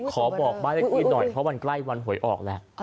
ขอบอกบ้านเลขที่หน่อยเพราะมันใกล้วันหวยออกแล้ว